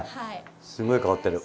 すごい香ってる。